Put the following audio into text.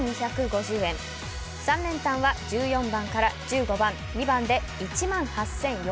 ３連単は１４番から１５番、２番で１万８４００円。